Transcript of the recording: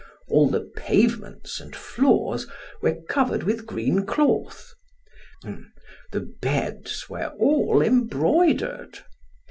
All the pavements and floors were covered with green cloth. The beds were all embroidered.